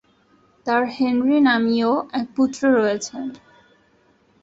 তার হেনরি নামীয় এক পুত্র রয়েছে।